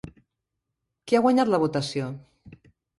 Qui ha guanyat la votació?